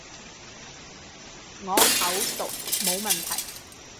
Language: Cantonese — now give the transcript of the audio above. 我口讀冇問題